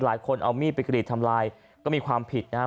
หลายคนเอามีดไปกรีดทำลายก็มีความผิดนะฮะ